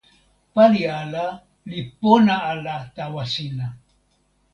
pali ala li pona ala tawa sina.